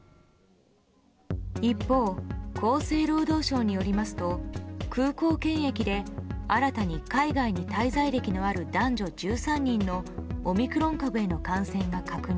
一方、厚生労働省によりますと空港検疫で新たに海外に滞在歴のある男女１３人のオミクロン株への感染が確認。